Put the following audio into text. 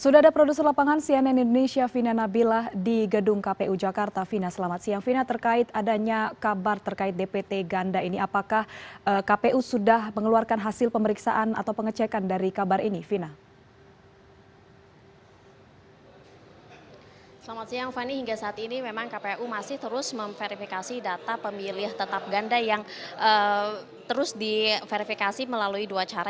data pemilih tetap ganda yang terus diverifikasi melalui dua cara